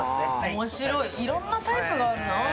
面白い、いろんなタイプがあるな。